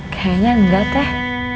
kayaknya nggak teh